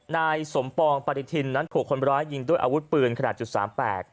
นายสมปองปฏิทินนั้นถูกคนร้ายยิงด้วยอาวุธปืนขนาดจุดสามแปด